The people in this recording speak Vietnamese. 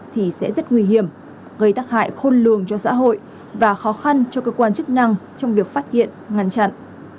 thì sẽ rất nguy hiểm gây tắc hại khôn lường cho xã hội và khó khăn cho cơ quan chức năng trong việc phát hiện ngăn chặn